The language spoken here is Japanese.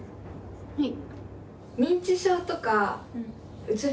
はい。